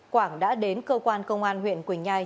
quảng đã đến cơ quan công an huyện quỳnh nhai